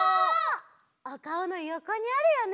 おかおのよこにあるよね。